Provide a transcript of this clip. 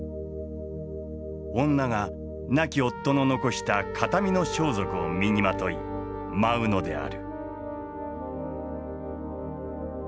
女が亡き夫の残した形見の装束を身にまとい舞うのである。